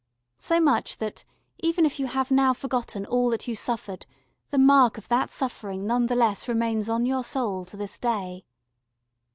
So much that, even if you have now forgotten all that you suffered, the mark of that suffering none the less remains on your soul to this day.